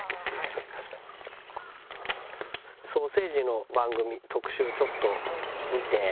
ソーセージの番組特集をちょっと見て。